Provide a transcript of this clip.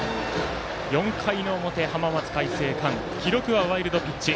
４回の表、浜松開誠館記録はワイルドピッチ。